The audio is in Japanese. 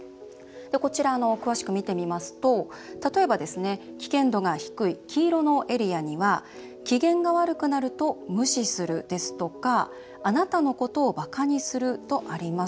こちら、詳しく見てみますと例えば危険度の低い黄色のエリアには「機嫌が悪くなると無視する」ですとか「あなたのことをバカにする」とあります。